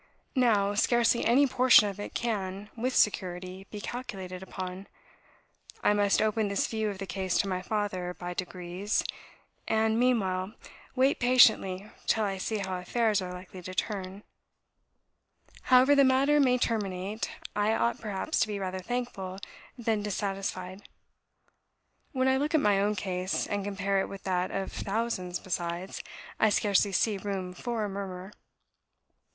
Now, scarcely any portion of it can, with security, be calculated upon. I must open this view of the case to my father by degrees; and, meanwhile, wait patiently till I see how affairs are likely to turn. ... However the matter may terminate, I ought perhaps to be rather thankful than dissatisfied. When I look at my own case, and compare it with that of thousands besides, I scarcely see room for a murmur.